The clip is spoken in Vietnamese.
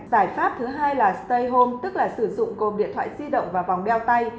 giải pháp thứ hai là stary home tức là sử dụng gồm điện thoại di động và vòng đeo tay